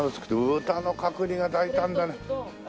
豚の角煮が大胆だね。